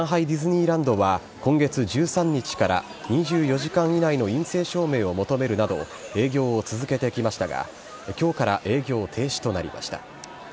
ディズニーランドは、今月１３日から２４時間以内の陰性証明を求めるなど営業を続けてきましたが、きょうから営業停止となりました。